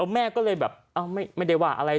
แม่ก็เลยแบบไม่ได้ว่าอะไร